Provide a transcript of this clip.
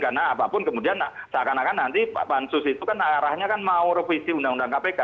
karena apapun kemudian seakan akan nanti pansus itu kan arahnya kan mau revisi undang undang kpk